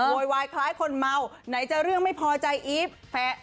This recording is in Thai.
โวยวายคล้ายคนเมาไหนจะเรื่องไม่พอใจอีฟ